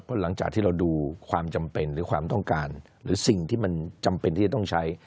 เพราะหลังจากที่เราดูความจำเป็นหรือความต้องการหรือสิ่งที่มันจำเป็นที่จะต้องใช้